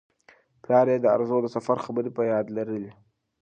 پلار یې د ارزو د سفر خبرې په یاد لرلې.